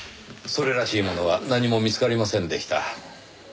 それらしいものは何も見つかりませんでした。